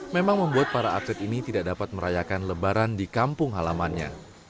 memang membuat para atlet ini tidak dapat merayakan lebaran di kampung halamannya